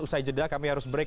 usai jeda kami harus break